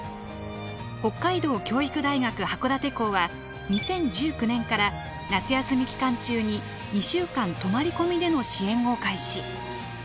北海道教育大学函館校は２０１９年から夏休み期間中に２週間泊まり込みでの支援を開始。